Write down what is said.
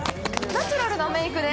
ナチュラルなメークで。